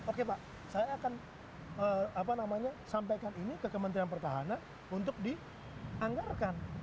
oke pak saya akan sampaikan ini ke kementerian pertahanan untuk dianggarkan